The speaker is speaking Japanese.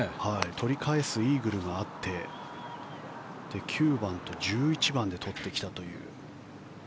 取り返すイーグルがあって９番と１１番で取ってきたという。